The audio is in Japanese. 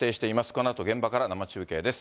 このあと現場から生中継です。